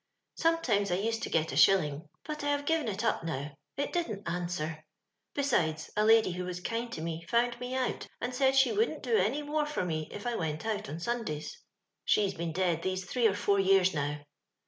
Some times I used to get a shilling, but I have given it up now — it didn't answer; besides, a lady who was kind to me found me out, and said she wouldn't do any more for me if I went out on Simdays. She's been dead these three or four years now.